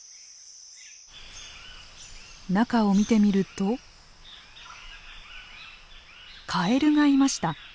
中を見てみるとカエルがいました。